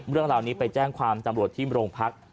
เรื่องเหล่านี้ไปแจ้งความจำรวจที่โรงพักษณ์